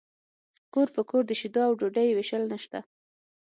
کور په کور د شیدو او ډوډۍ ویشل نشته